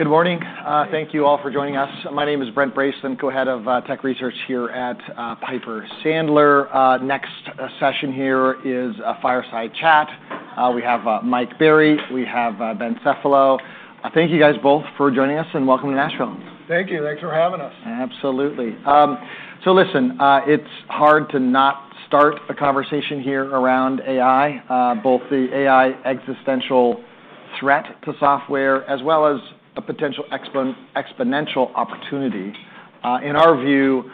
Good morning. Thank you all for joining us. My name is Brent Bracelin, Co-head of Tech Research here at Piper Sandler. Next session here is a fireside chat. We have Mike Berry, we have Ben Cefalo. Thank you guys both for joining us and welcome to Nashville. Thank you. Thanks for having us. Absolutely. Listen, it's hard to not start a conversation here around AI, both the AI existential threat to software as well as a potential exponential opportunity. In our view,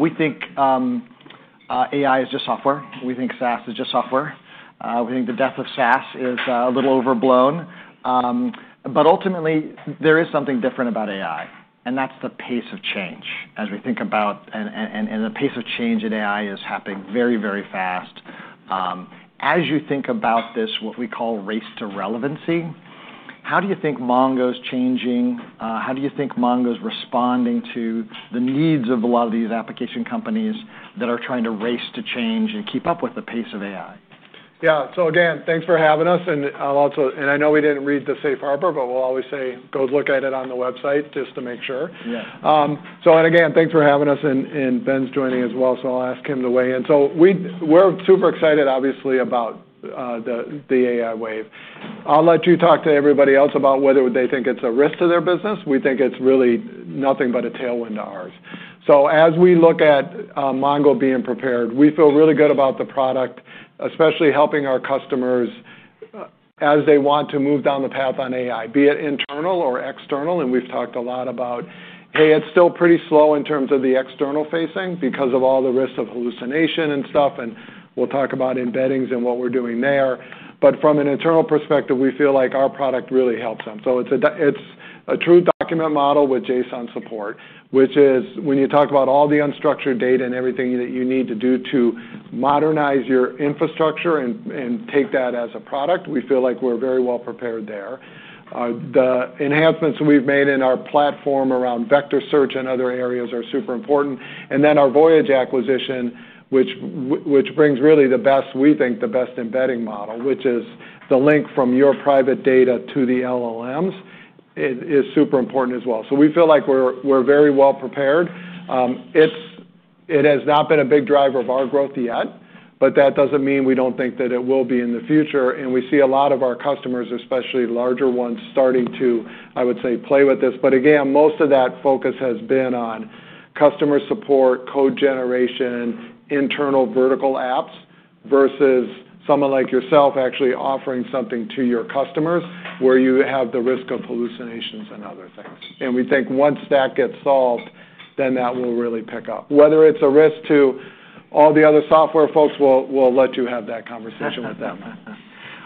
we think AI is just software. We think SaaS is just software. We think the death of SaaS is a little overblown. Ultimately, there is something different about AI, and that's the pace of change. As we think about it, the pace of change in AI is happening very, very fast. As you think about this, what we call race to relevancy, how do you think Mongo is changing? How do you think Mongo is responding to the needs of a lot of these application companies that are trying to race to change and keep up with the pace of AI? Yeah, thanks for having us. I know we didn't read the Safe Harbor, but we'll always say go look at it on the website just to make sure. Yeah. Again, thanks for having us, and Ben's joining as well. I'll ask him to weigh in. We're super excited, obviously, about the AI wave. I'll let you talk to everybody else about whether they think it's a risk to their business. We think it's really nothing but a tailwind to ours. As we look at Mongo being prepared, we feel really good about the product, especially helping our customers as they want to move down the path on AI, be it internal or external. We've talked a lot about, hey, it's still pretty slow in terms of the external facing because of all the risk of hallucination and stuff. We'll talk about embeddings and what we're doing there. From an internal perspective, we feel like our product really helps them. It's a true document model with JSON support, which is when you talk about all the unstructured data and everything that you need to do to modernize your infrastructure and take that as a product, we feel like we're very well prepared there. The enhancements we've made in our platform around vector search and other areas are super important. Our Voyage AI acquisition, which brings really the best, we think, the best embedding model, which is the link from your private data to the LLMs, is super important as well. We feel like we're very well prepared. It has not been a big driver of our growth yet, but that doesn't mean we don't think that it will be in the future. We see a lot of our customers, especially larger ones, starting to, I would say, play with this. Most of that focus has been on customer support, code generation, internal vertical apps versus someone like yourself actually offering something to your customers where you have the risk of hallucinations and other things. We think once that gets solved, then that will really pick up. Whether it's a risk to all the other software folks, we'll let you have that conversation with them.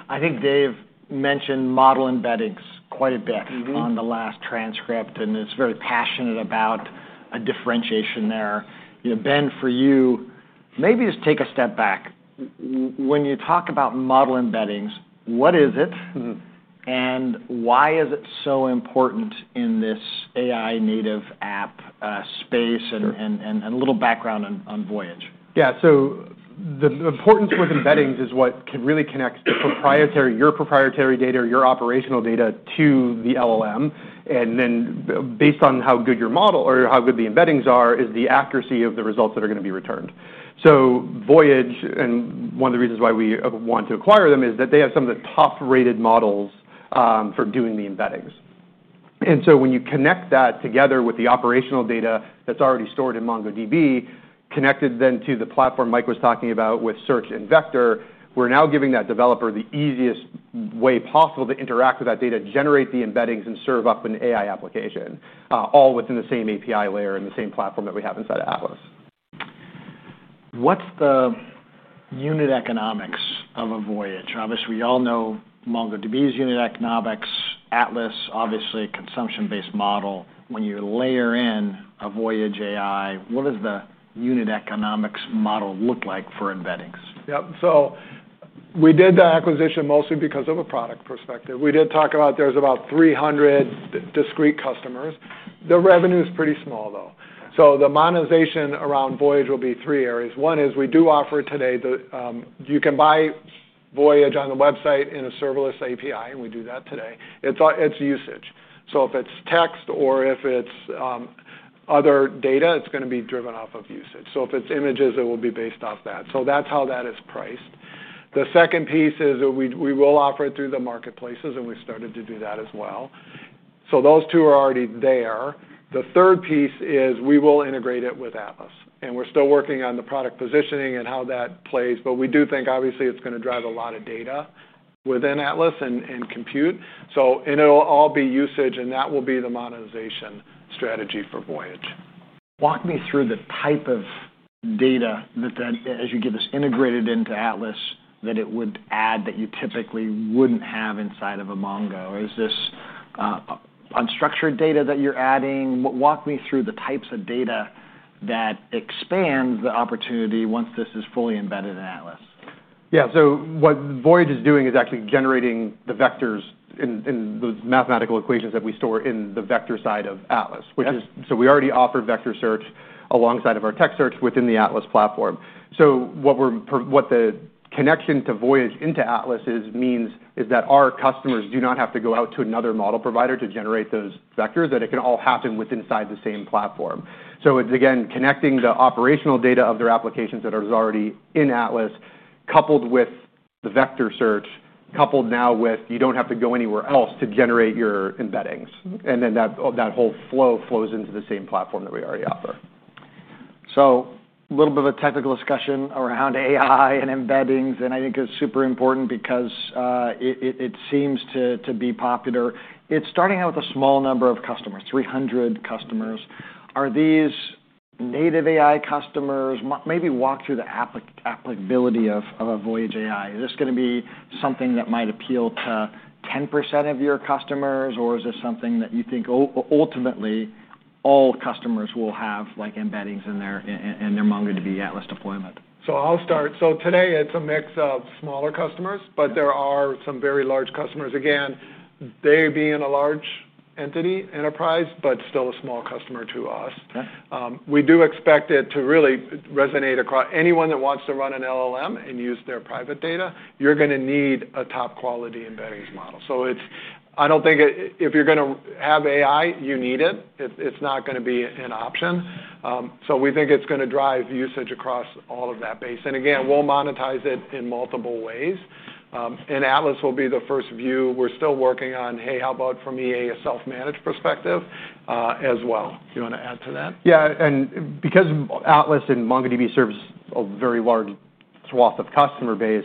I think Dave mentioned model embeddings quite a bit on the last transcript, and he's very passionate about a differentiation there. Ben, for you, maybe just take a step back. When you talk about model embeddings, what is it? Why is it so important in this AI-native app space? A little background on Voyage. Yeah. The importance with embeddings is what really connects your proprietary data, your operational data to the LLM. Based on how good your model or how good the embeddings are, the accuracy of the results that are going to be returned is determined. Voyage, and one of the reasons why we want to acquire them, is that they have some of the top-rated models for doing the embeddings. When you connect that together with the operational data that's already stored in MongoDB, connected then to the platform Mike was talking about with search and vector, we're now giving that developer the easiest way possible to interact with that data, generate the embeddings, and serve up an AI application all within the same API layer and the same platform that we have inside of Atlas. What's the unit economics of a Voyage? Obviously, we all know MongoDB's unit economics, Atlas, obviously a consumption-based model. When you layer in a Voyage AI, what does the unit economics model look like for embeddings? Yeah. We did the acquisition mostly because of a product perspective. We did talk about there's about 300 discrete customers. The revenue is pretty small, though. The monetization around Voyage will be three areas. One is we do offer today the—you can buy Voyage on the website in a serverless API, and we do that today. It's usage. If it's text or if it's other data, it's going to be driven off of usage. If it's images, it will be based off that. That's how that is priced. The second piece is that we will offer it through the marketplaces, and we've started to do that as well. Those two are already there. The third piece is we will integrate it with Atlas. We're still working on the product positioning and how that plays, but we do think, obviously, it's going to drive a lot of data within Atlas and compute. It'll all be usage, and that will be the monetization strategy for Voyage. Walk me through the type of data that, as you get this integrated into Atlas, it would add that you typically wouldn't have inside of a Mongo. Is this unstructured data that you're adding? Walk me through the types of data that expand the opportunity once this is fully embedded in Atlas. Yeah. What Voyage is doing is actually generating the vectors in those mathematical equations that we store in the vector side of Atlas. We already offer vector search alongside our tech search within the Atlas platform. The connection to Voyage into Atlas means that our customers do not have to go out to another model provider to generate those vectors, that it can all happen inside the same platform. So we begin connecting the operational data of their applications that are already in Atlas, coupled with the vector search, coupled now with you don't have to go anywhere else to generate your embeddings. That whole flow flows into the same platform that we already offer. A little bit of a technical discussion around AI and embeddings, and I think it's super important because it seems to be popular. It's starting out with a small number of customers, 300 customers. Are these native AI customers? Maybe walk through the applicability of a Voyage AI. Is this going to be something that might appeal to 10% of your customers? Is this something that you think ultimately all customers will have embeddings in their MongoDB Atlas deployment? Today, it's a mix of smaller customers, but there are some very large customers. Again, they being a large entity, enterprise, but still a small customer to us. We do expect it to really resonate across anyone that wants to run an LLM and use their private data. You're going to need a top-quality embeddings model. I don't think if you're going to have AI, you need it. It's not going to be an option. We think it's going to drive usage across all of that base. We'll monetize it in multiple ways. Atlas will be the first view. We're still working on, hey, how about from a self-managed perspective as well? Do you want to add to that? Yeah. Because Atlas and MongoDB serve a very large swath of customer base,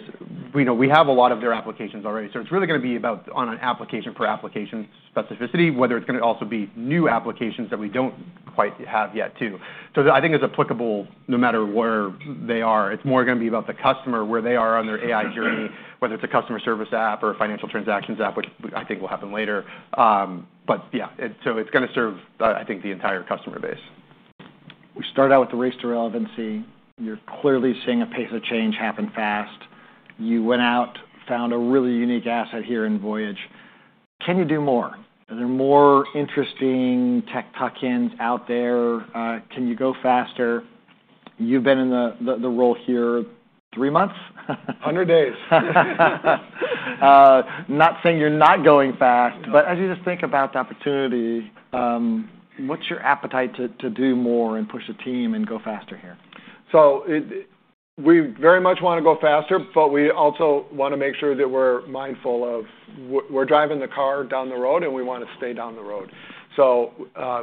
we have a lot of their applications already. It's really going to be about, on an application-per-application specificity, whether it's going to also be new applications that we don't quite have yet too. I think it's applicable no matter where they are. It's more going to be about the customer, where they are on their AI journey, whether it's a customer service app or a financial transactions app, which I think will happen later. It's going to serve, I think, the entire customer base. We started out with the race to relevancy. You're clearly seeing a pace of change happen fast. You went out, found a really unique asset here in Voyage. Can you do more? Are there more interesting tech tuck-ins out there? Can you go faster? You've been in the role here three months? 100 days. Not saying you're not going fast, but as you just think about the opportunity, what's your appetite to do more and push the team and go faster here? We very much want to go faster, but we also want to make sure that we're mindful of we're driving the car down the road, and we want to stay down the road.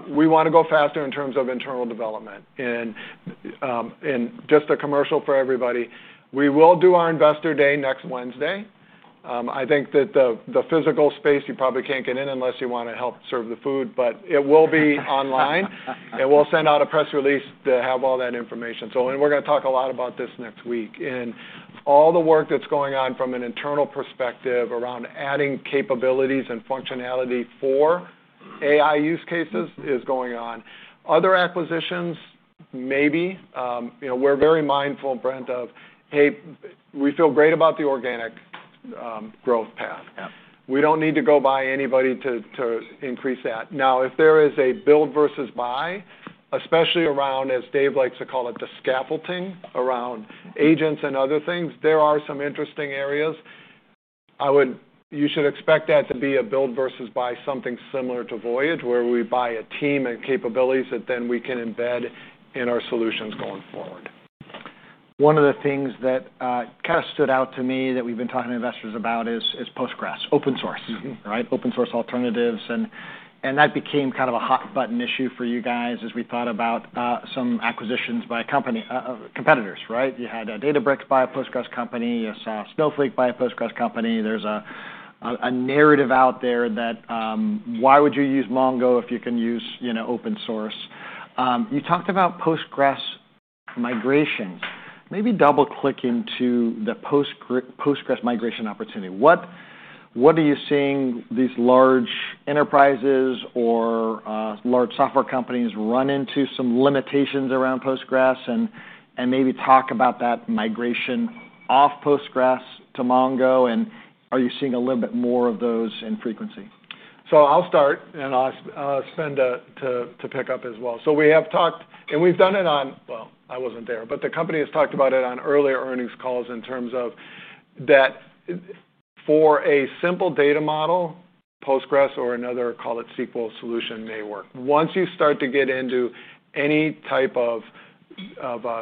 We want to go faster in terms of internal development. Just a commercial for everybody, we will do our investor day next Wednesday. I think that the physical space, you probably can't get in unless you want to help serve the food, but it will be online. We'll send out a press release to have all that information. We're going to talk a lot about this next week. All the work that's going on from an internal perspective around adding capabilities and functionality for AI use cases is going on. Other acquisitions maybe. We're very mindful, Brent, of, hey, we feel great about the organic growth path. We don't need to go buy anybody to increase that. If there is a build versus buy, especially around, as Dave likes to call it, the scaffolding around agents and other things, there are some interesting areas. You should expect that to be a build versus buy, something similar to Voyage, where we buy a team and capabilities that then we can embed in our solutions going forward. One of the things that kind of stood out to me that we've been talking to investors about is PostgreSQL, open source, right? Open source alternatives. That became kind of a hot button issue for you guys as we thought about some acquisitions by competitors, right? You had a Databricks buy a PostgreSQL company, a Snowflake buy a PostgreSQL company. There's a narrative out there that why would you use Mongo if you can use open source? You talked about PostgreSQL migrations. Maybe double click into the PostgreSQL migration opportunity. What are you seeing these large enterprises or large software companies run into, some limitations around PostgreSQL? Maybe talk about that migration off PostgreSQL to Mongo. Are you seeing a little bit more of those in frequency? I'll start, and I'll send to pick up as well. We have talked, and we've done it on, I wasn't there, but the company has talked about it on earlier earnings calls in terms of that for a simple data model, Postgres or another, call it SQL solution, may work. Once you start to get into any type of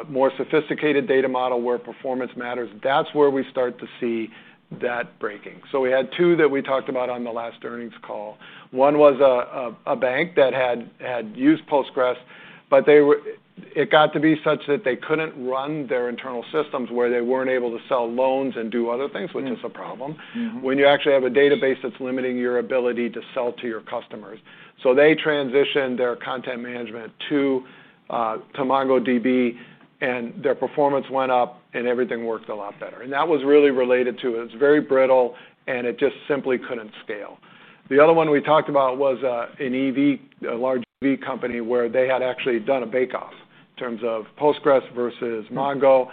more sophisticated data model where performance matters, that's where we start to see that breaking. We had two that we talked about on the last earnings call. One was a bank that had used PostgreSQL, but it got to be such that they couldn't run their internal systems where they weren't able to sell loans and do other things, which is a problem, when you actually have a database that's limiting your ability to sell to your customers. They transitioned their content management to MongoDB, and their performance went up, and everything worked a lot better. That was really related to it. It was very brittle, and it just simply couldn't scale. The other one we talked about was an EV, a large EV company, where they had actually done a bake-off in terms of Postgres versus Mongo.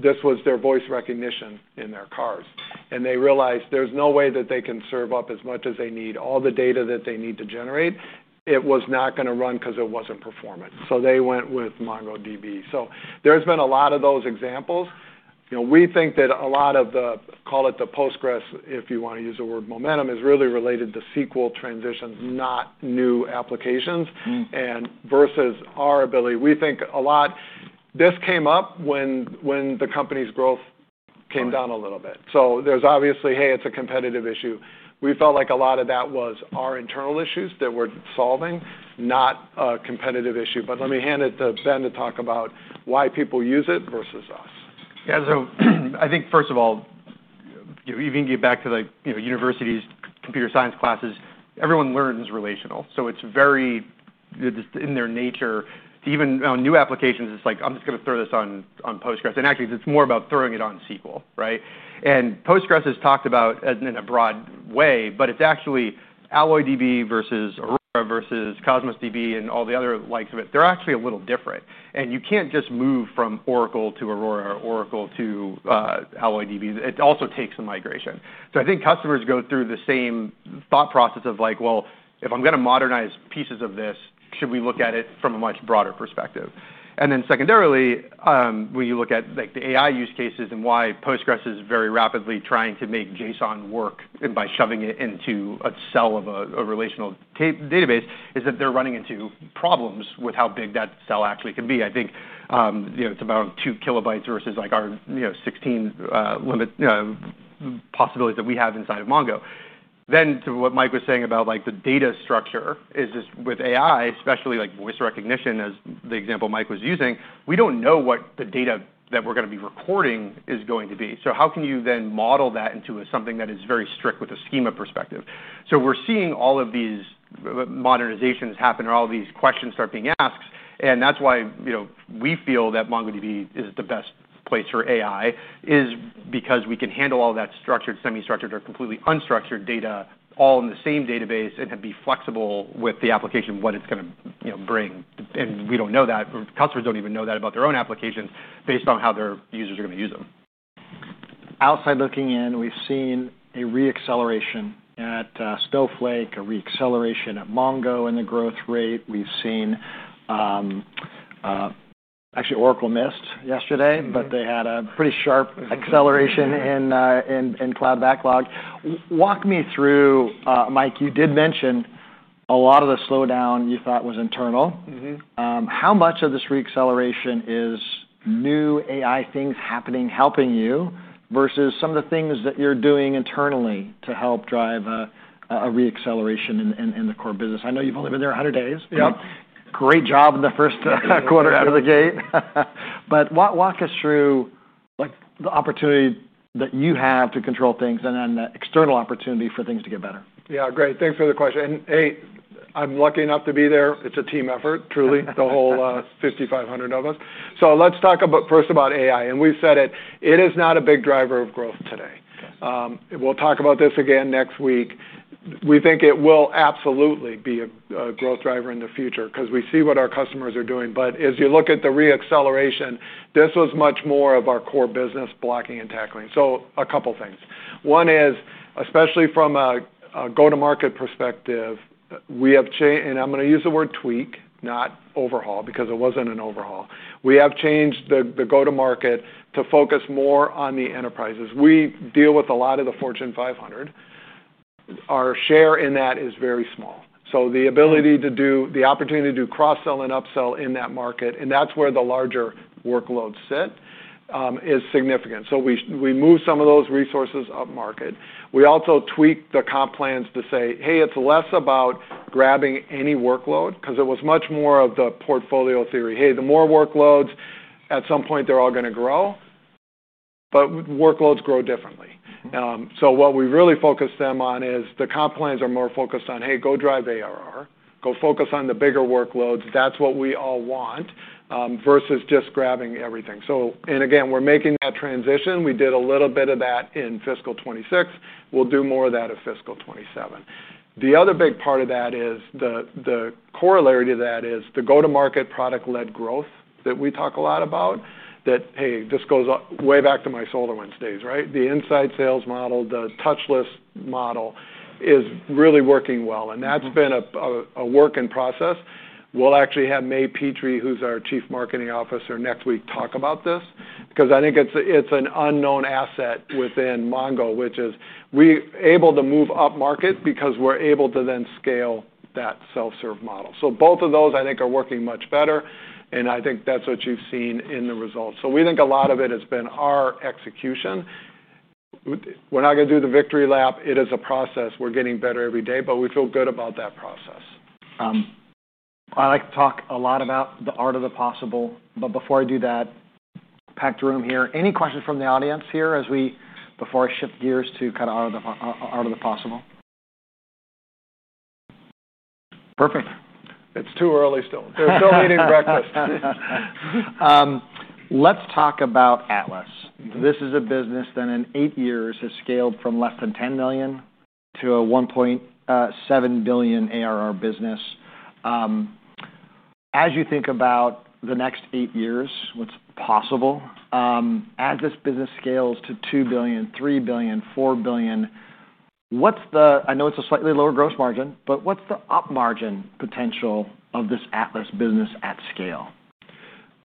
This was their voice recognition in their cars. They realized there's no way that they can serve up as much as they need, all the data that they need to generate. It was not going to run because it wasn't performant. They went with MongoDB. There have been a lot of those examples. We think that a lot of the, call it the Postgres, if you want to use the word momentum, is really related to SQL transitions, not new applications. Versus our ability, we think a lot this came up when the company's growth came down a little bit. There's obviously, hey, it's a competitive issue. We felt like a lot of that was our internal issues that we're solving, not a competitive issue. Let me hand it to Ben to talk about why people use it versus us. Yeah. I think, first of all, you can get back to universities, computer science classes. Everyone learns relational. It's very, it's in their nature. Even on new applications, it's like, I'm just going to throw this on Postgres. It's more about throwing it on SQL, right? Postgres is talked about in a broad way, but it's actually AlloyDB versus Aurora versus Cosmos DB and all the other likes of it. They're actually a little different. You can't just move from Oracle to Aurora or Oracle to AlloyDB. It also takes some migration. I think customers go through the same thought process of like, if I'm going to modernize pieces of this, should we look at it from a much broader perspective? Secondarily, when you look at the AI use cases and why Postgres is very rapidly trying to make JSON work by shoving it into a cell of a relational database, they're running into problems with how big that cell actually can be. I think it's about2 KB versus our 16 limit possibilities that we have inside of Mongo. To what Mike was saying about the data structure, with AI, especially voice recognition, as the example Mike was using, we don't know what the data that we're going to be recording is going to be. How can you then model that into something that is very strict with a schema perspective? We're seeing all of these modernizations happen or all of these questions start being asked. That's why we feel that MongoDB is the best place for AI, because we can handle all that structured, semi-structured, or completely unstructured data all in the same database and be flexible with the application of what it's going to bring. We don't know that. Customers don't even know that about their own application based on how their users are going to use them. Outside looking in, we've seen a re-acceleration at Snowflake, a re-acceleration at Mongo in the growth rate. We've seen actually Oracle missed yesterday, but they had a pretty sharp acceleration in cloud backlog. Walk me through, Mike, you did mention a lot of the slowdown you thought was internal. How much of this re-acceleration is new AI things happening helping you versus some of the things that you're doing internally to help drive a re-acceleration in the core business? I know you've only been there 100 days. Yeah. Great job in the first quarter out of the gate. Walk us through the opportunity that you have to control things and then the external opportunity for things to get better. Yeah, great. Thanks for the question. Hey, I'm lucky enough to be there. It's a team effort, truly, the whole 5,500 of us. Let's talk first about AI. We said it is not a big driver of growth today. We'll talk about this again next week. We think it will absolutely be a growth driver in the future because we see what our customers are doing. As you look at the re-acceleration, this was much more of our core business blocking and tackling. A couple of things. One is, especially from a go-to-market perspective, we have changed, and I'm going to use the word tweak, not overhaul because it wasn't an overhaul. We have changed the go-to-market to focus more on the enterprises. We deal with a lot of the Fortune 500. Our share in that is very small. The ability to do the opportunity to do cross-sell and upsell in that market, and that's where the larger workloads sit, is significant. We move some of those resources up market. We also tweaked the comp plans to say, hey, it's less about grabbing any workload because it was much more of the portfolio theory. The more workloads, at some point, they're all going to grow, but workloads grow differently. What we really focused them on is the comp plans are more focused on, hey, go drive ARR. Go focus on the bigger workloads. That's what we all want versus just grabbing everything. We're making that transition. We did a little bit of that in fiscal 2026. We'll do more of that in fiscal 2027. The other big part of that is the corollary to that is the go-to-market product-led growth that we talk a lot about, that goes way back to my SolarWinds days, right? The inside sales model, the touchless model is really working well. That's been a work in process. We'll actually have May Petrie, who's our Chief Marketing Officer, next week, talk about this because I think it's an unknown asset within Mongo, which is we're able to move up market because we're able to then scale that self-serve model. Both of those, I think, are working much better. I think that's what you've seen in the results. We think a lot of it has been our execution. We're not going to do the victory lap. It is a process. We're getting better every day, but we feel good about that process. I like to talk a lot about the art of the possible. Before I do that, packed room here. Any questions from the audience here before I shift gears to kind of art of the possible? Perfect. It's too early still. They're still eating breakfast. Let's talk about Atlas. This is a business that in eight years has scaled from less than $10 million-a $1.7 billion ARR business. As you think about the next eight years, what's possible as this business scales to $2 billion, $3 billion, $4 billion, what's the, I know it's a slightly lower gross margin, but what's the up margin potential of this Atlas business at scale?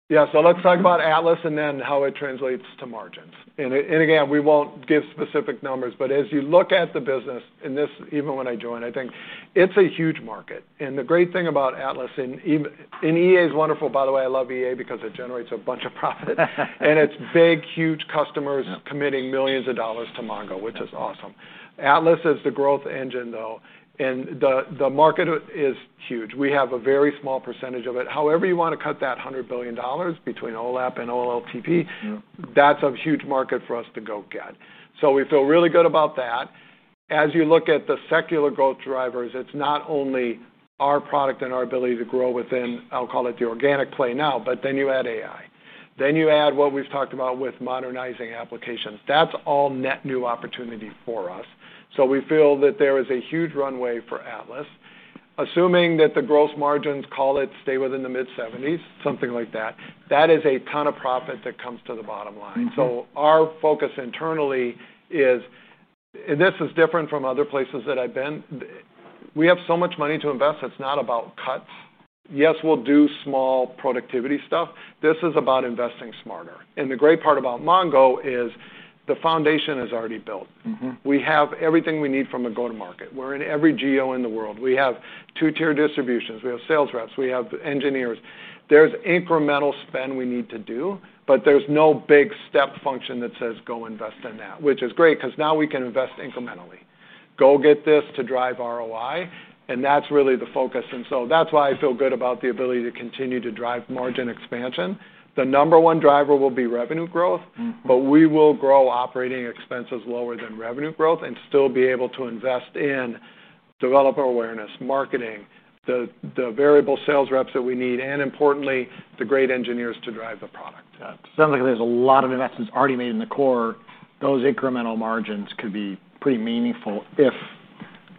Yeah. Let's talk about Atlas and then how it translates to margins. We won't give specific numbers. As you look at the business, and this even when I joined, I think it's a huge market. The great thing about Atlas, and EA is wonderful, by the way, I love EA because it generates a bunch of profit. It's big, huge customers committing millions of dollars to Mongo, which is awesome. Atlas is the growth engine, though. The market is huge. We have a very small percentage of it. However you want to cut that $100 billion between OLAP and OLTP, that's a huge market for us to go get. We feel really good about that. As you look at the secular growth drivers, it's not only our product and our ability to grow within, I'll call it the organic play now, but you add AI. You add what we've talked about with modernizing applications. That's all net new opportunity for us. We feel that there is a huge runway for Atlas. Assuming that the gross margins, call it, stay within the mid-70%, something like that, that is a ton of profit that comes to the bottom line. Our focus internally is, and this is different from other places that I've been, we have so much money to invest. It's not about cuts. Yes, we'll do small productivity stuff. This is about investing smarter. The great part about Mongo is the foundation is already built. We have everything we need from a go-to-market. We're in every geo in the world. We have two-tier distributions. We have sales reps. We have engineers. There's incremental spend we need to do, but there's no big step function that says go invest in that, which is great because now we can invest incrementally. Go get this to drive ROI. That's really the focus. That's why I feel good about the ability to continue to drive margin expansion. The number one driver will be revenue growth, but we will grow operating expenses lower than revenue growth and still be able to invest in developer awareness, marketing, the variable sales reps that we need, and importantly, the great engineers to drive the product. Sounds like there's a lot of investments already made in the core. Those incremental margins could be pretty meaningful if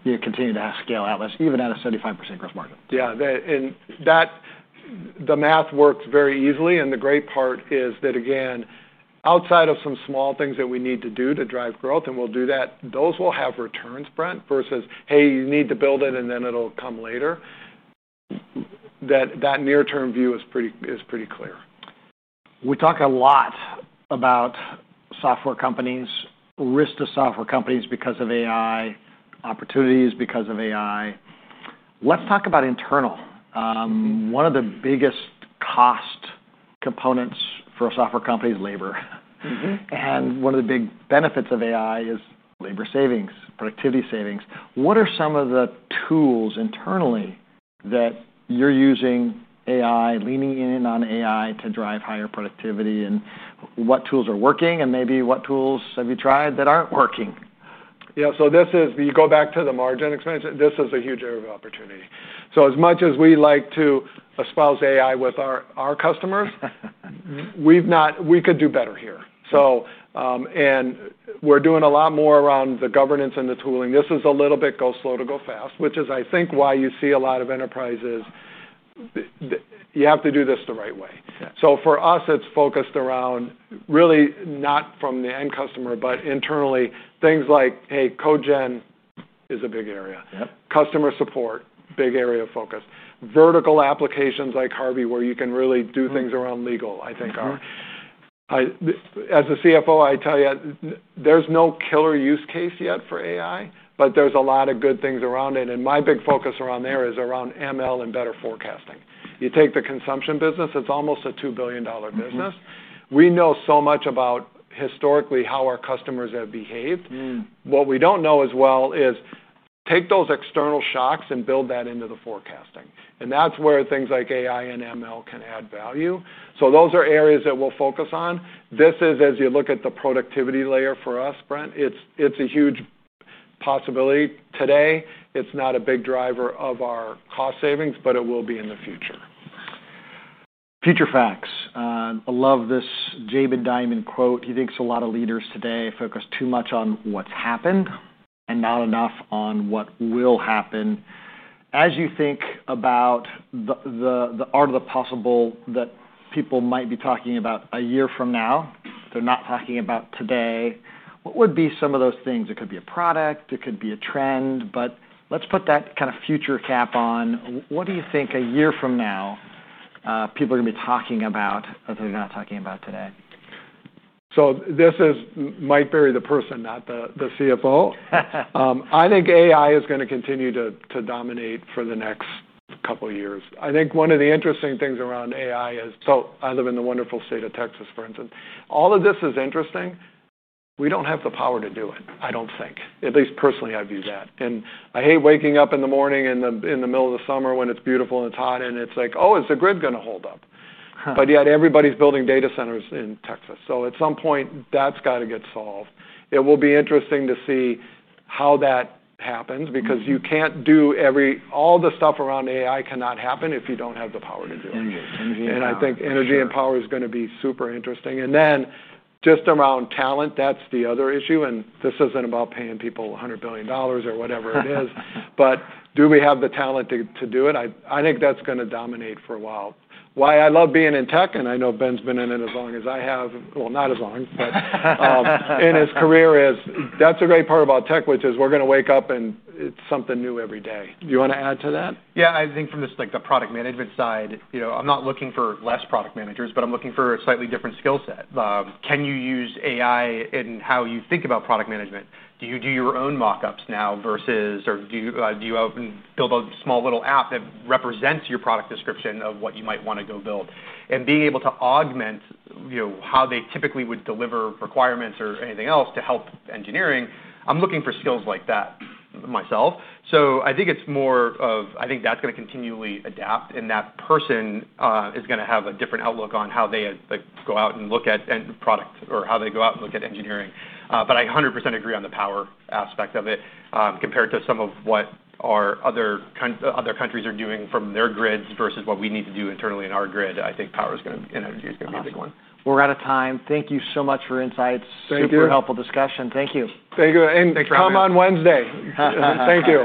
you continue to have scale Atlas, even at a 75% gross margin. Yeah, the math works very easily. The great part is that, again, outside of some small things that we need to do to drive growth, and we'll do that, those will have returns, Brent, versus, hey, you need to build it and then it'll come later. That near-term view is pretty clear. We talk a lot about software companies, risk to software companies because of AI, opportunities because of AI. Let's talk about internal. One of the biggest cost components for a software company is labor. One of the big benefits of AI is labor savings, productivity savings. What are some of the tools internally that you're using AI, leaning in on AI to drive higher productivity? What tools are working? Maybe what tools have you tried that aren't working? Yeah. This is, you go back to the margin expansion. This is a huge area of opportunity. As much as we like to espouse AI with our customers, we could do better here. We're doing a lot more around the governance and the tooling. This is a little bit go slow to go fast, which is, I think, why you see a lot of enterprises. You have to do this the right way. For us, it's focused around really not from the end customer, but internally, things like, hey, Cogent is a big area. Customer support, big area of focus. Vertical applications like Harvey, where you can really do things around legal, I think, are. As a CFO, I tell you, there's no killer use case yet for AI, but there's a lot of good things around it. My big focus around there is around ML and better forecasting. You take the consumption business, it's almost a $2 billion business. We know so much about historically how our customers have behaved. What we don't know as well is take those external shocks and build that into the forecasting. That's where things like AI and ML can add value. Those are areas that we'll focus on. As you look at the productivity layer for us, Brent, it's a huge possibility today. It's not a big driver of our cost savings, but it will be in the future. Future facts. I love this David Diamond quote. He thinks a lot of leaders today focus too much on what's happened and not enough on what will happen. As you think about the art of the possible that people might be talking about a year from now, they're not talking about today, what would be some of those things? It could be a product. It could be a trend. Let's put that kind of future cap on. What do you think a year from now people are going to be talking about that they're not talking about today? This is Mike Berry, the person, not the CFO. I think AI is going to continue to dominate for the next couple of years. I think one of the interesting things around AI is, I live in the wonderful state of Texas, for instance. All of this is interesting. We don't have the power to do it, I don't think. At least personally, I view that. I hate waking up in the morning in the middle of the summer when it's beautiful and it's hot. It's like, oh, is the grid going to hold up? Yet everybody's building data centers in Texas. At some point, that's got to get solved. It will be interesting to see how that happens because all the stuff around AI cannot happen if you don't have the power to do it. I think energy and power is going to be super interesting. Just around talent, that's the other issue. This isn't about paying people $100 billion or whatever it is. Do we have the talent to do it? I think that's going to dominate for a while. Why I love being in tech, and I know Ben's been in it as long as I have, well, not as long, but in his career, is that's a great part about tech, which is we're going to wake up and it's something new every day. Do you want to add to that? Yeah. I think from the product management side, I'm not looking for fewer product managers, but I'm looking for a slightly different skill set. Can you use AI in how you think about product management? Do you do your own mockups now, or do you build a small little app that represents your product description of what you might want to go build? Being able to augment how they typically would deliver requirements or anything else to help engineering, I'm looking for skills like that myself. I think that's going to continually adapt. That person is going to have a different outlook on how they go out and look at product or how they go out and look at engineering. I 100% agree on the power aspect of it compared to some of what other countries are doing from their grids versus what we need to do internally in our grid. I think power and energy are going to be a big one. We're out of time. Thank you so much for insights. Thank you. Super helpful discussion. Thank you. Thank you, and come on Wednesday. Thank you.